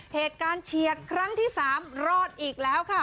เหตุการณ์เชียดครั้งที่๓รอดอีกแล้วค่ะ